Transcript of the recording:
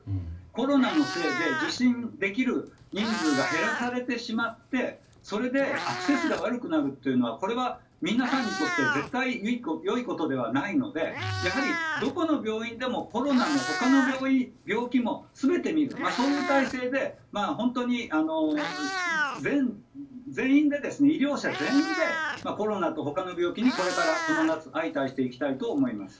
コロナのせいで受診できる人数が減らされてしまってそれでアクセスが悪くなるというのは皆さんにとって絶対良いことではないのでやはり、どこの病院でもコロナも、他の病気も全て診る、そういう体制で本当に医療者全員でコロナと他の病気に、これからこの夏相対していきたいと思います。